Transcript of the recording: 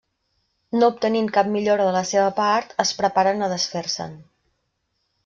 No obtenint cap millora de la seva part, es preparen a desfer-se'n.